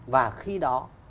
và khi đó